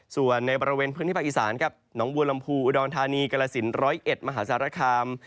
ส่วนในบริเวณพื้นที่ภาคอีสานครับหนองบัวลำพูอุดรธานีกรสินร้อยเอ็ดมหาสารคาม